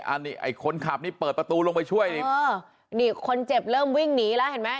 อันนี้ไอ้คนขับนี่เปิดประตูลงไปช่วยอีกเออนี่คนเจ็บเริ่มวิ่งหนีแล้วเห็นไหม